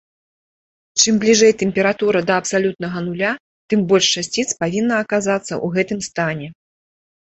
Чым бліжэй тэмпература да абсалютнага нуля, тым больш часціц павінна аказацца ў гэтым стане.